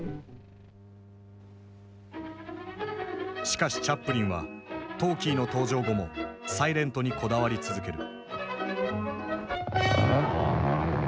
しかしチャップリンはトーキーの登場後もサイレントにこだわり続ける。